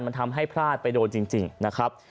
มันทำให้พลาดไปโดนจริงนะครับ